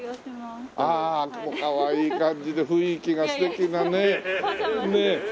ああかわいい感じで雰囲気が素敵なねえ。